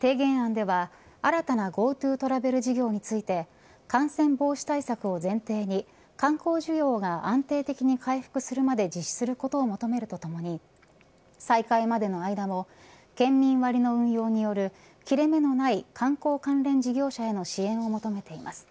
提言案では、新たなＧｏＴｏトラベル事業について感染防止対策を前提に観光需要が安定的に回復するまで実施することを求めるとともに再開までの間も県民割の運用による切れ目のない観光関連事業者への支援を求めています。